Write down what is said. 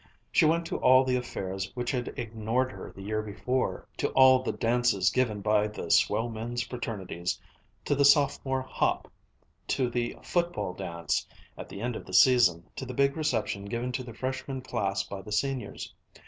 She went to all the affairs which had ignored her the year before, to all the dances given by the "swell men's fraternities," to the Sophomore hop, to the "Football Dance," at the end of the season, to the big reception given to the Freshman class by the Seniors.